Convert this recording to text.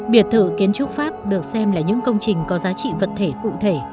biệt thự kiến trúc pháp được xem là những công trình có giá trị vật thể cụ thể